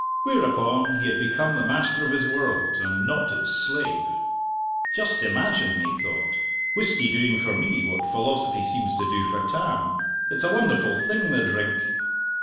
Whereupon he had become the master of his world, and not its slave. "Just imagine," he thought, "whisky doing for me what philosophy seems to do for Tam. It's a wonderful thing the drink!"